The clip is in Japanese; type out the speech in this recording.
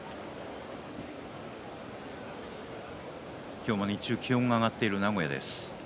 今日も日中気温が上がっている名古屋です。